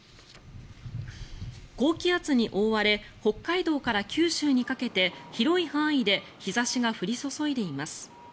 高気圧に覆われ北海道から九州にかけて広い範囲で日差しが降り注いでいます。